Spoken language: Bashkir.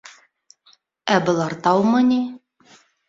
Ә былар таумы ни.